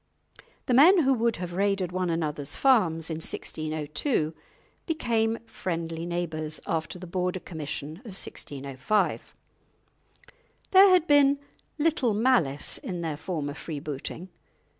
The men who would have raided one another's farms in 1602 became friendly neighbours after the Border Commission of 1605. There had been little malice in their former freebooting.